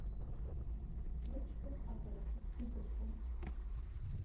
Рыҷкәын аҵарахьы ддәықәырҵон.